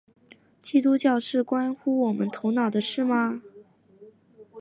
基督教是关乎我们头脑的事吗？